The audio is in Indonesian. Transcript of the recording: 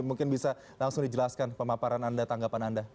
mungkin bisa langsung dijelaskan pemaparan anda tanggapan anda